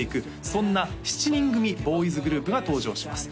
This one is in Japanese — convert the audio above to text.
そんな７人組ボーイズグループが登場します